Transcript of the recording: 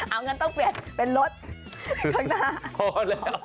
เอางั้นต้องเปลี่ยนเป็นรถข้างหน้าพอแล้ว